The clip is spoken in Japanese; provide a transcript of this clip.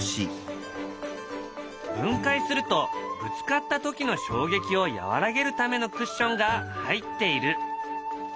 分解するとぶつかった時の衝撃を和らげるためのクッションが入っている。